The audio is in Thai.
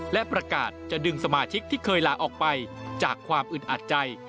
และประกาศจะดึงสมาชิกที่เคยลาออกไปจากความอึดอัดใจ